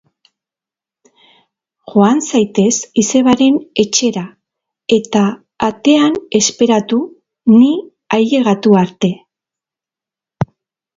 Joan zaitez izebaren etxera, eta atean esperatu ni ailegatu arte.